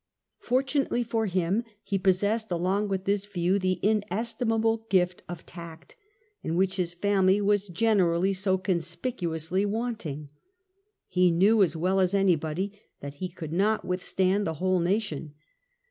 Fortunately for him, he pos sessed, along with this view, the inestimable gift of tact, in which his family was generally so conspicuously want ing. He knew as well as anybody that he could not withstand the whole nation.